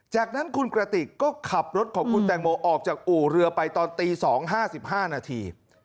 จากนั้นคุณกระติกก็ขับรถของคุณแตงโมออกจากอู่เรือไปตอนตี๒๕๕นาที